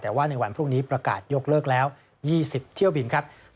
แต่ว่าในวันพรุ่งนี้ประกาศยกเลิกแล้ว๒๐เที่ยวบินครับ